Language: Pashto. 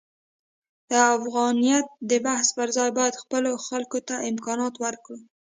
د افغانیت د بحث پرځای باید خپلو خلکو ته امکانات ورکړو.